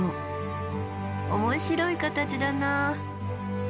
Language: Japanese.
面白い形だなあ。